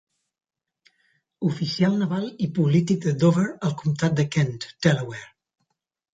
Oficial naval i polític de Dover al comtat de Kent, Delaware.